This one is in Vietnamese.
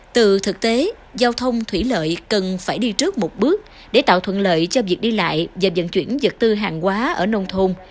từ thực tế giao thông thủy lợi cần phải đi trước một bước để tạo thuận lợi cho việc đi lại và dẫn chuyển vật tư hàng quá ở nông thôn